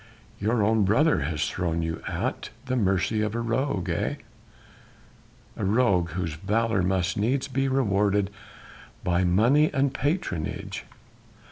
Your own brother has thrown you at the mercy of a rogue, eh? A rogue whose valour must needs be rewarded by money and patronage!...